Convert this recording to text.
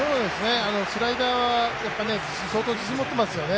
スライダー、相当自信持っていますよね。